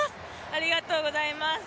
ありがとうございます。